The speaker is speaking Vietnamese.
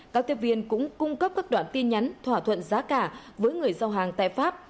các tiếp viên cũng cung cấp các đoạn tin nhắn thỏa thuận giá cả với người giao hàng tại pháp